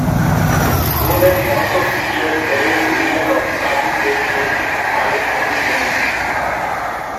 "Croonin" also featured Murray's remake of the Patti Page hit "Allegheny Moon".